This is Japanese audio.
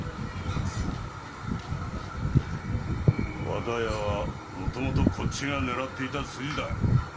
和田屋はもともとこっちが狙っていた筋だ。